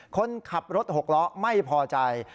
คนขับรถหกล้อไม่พอใจ